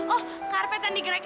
oh karpet yang digerakin